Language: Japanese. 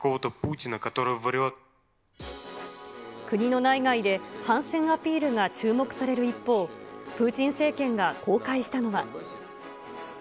国の内外で反戦アピールが注目される一方、プーチン政権が公開したのは。